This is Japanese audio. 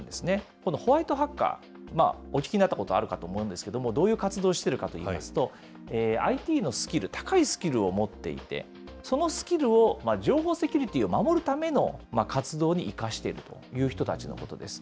このホワイトハッカー、お聞きになったことあるかと思うんですけども、どういう活動をしているかといいますと、ＩＴのスキル、高いスキルを持っていて、そのスキルを情報セキュリティーを守るための活動に生かしているという人たちのことです。